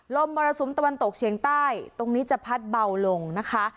มรสุมตะวันตกเฉียงใต้ตรงนี้จะพัดเบาลงนะคะ